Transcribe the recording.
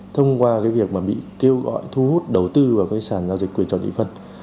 thông qua cái việc mà bị kêu gọi thu hút đầu tư vào các sàn giao dịch quyền chọn nhị phân